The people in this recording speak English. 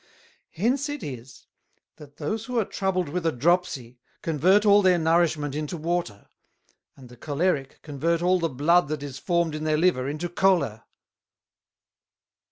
Hence it is, that those who are troubled with a Dropsie convert all their nourishment into Water; and the Cholerick convert all the Blood that is formed in their Liver into Choler.